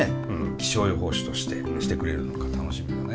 気象予報士としてしてくれるのか楽しみだね。